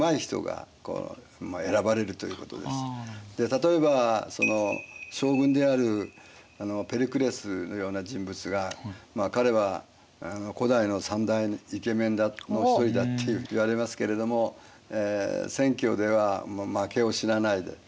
例えば将軍であるペリクレスのような人物が彼は古代の３大イケメンの一人だっていわれますけれども選挙では負けを知らないで。